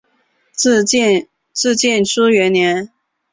至建初元年。